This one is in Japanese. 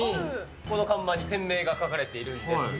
この看板に店名が書かれているんですが。